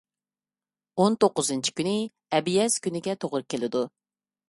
ئون توققۇزىنچى كۈنى ئەبيەز كۈنىگە توغرا كېلىدۇ.